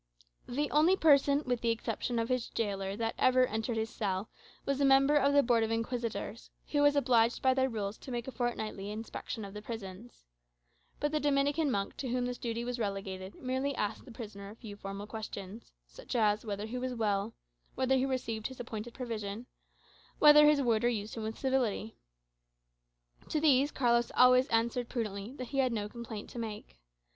The only person, with the exception of his gaoler, that ever entered his cell, was a member of the Board of Inquisitors, who was obliged by their rules to make a fortnightly inspection of the prisons. But the Dominican monk to whom this duty was relegated merely asked the prisoner a few formal questions: such as, whether he was well, whether he received his appointed provision, whether his warder used him with civility. To these Carlos always answered prudently that he had no complaint to make.